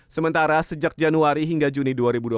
sementara sejak januari hingga juni dua ribu dua puluh